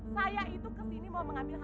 saya itu ke sini mau mengambilnya